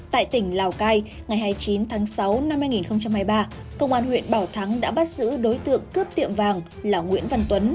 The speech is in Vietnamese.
tại tỉnh lào cai ngày hai mươi chín tháng sáu năm hai nghìn hai mươi ba công an huyện bảo thắng đã bắt giữ đối tượng cướp tiệm vàng là nguyễn văn tuấn